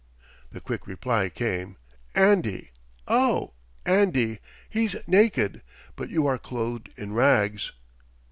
The quick reply came: "Andy! Oh! Andy, he's naked, but you are clothed in rags."